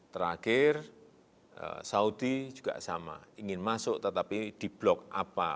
terakhir saudi juga sama ingin masuk tetapi di blok apa